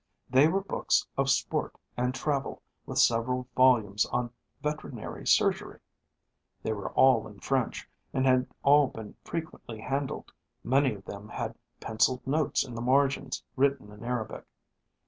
They were books of sport and travel with several volumes on veterinary surgery. They were all in French, and had all been frequently handled, many of them had pencilled notes in the margins written in Arabic.